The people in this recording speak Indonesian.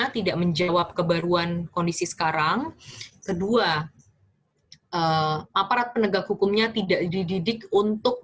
tidak menjawab kebaruan kondisi sekarang kedua aparat penegak hukumnya tidak dididik untuk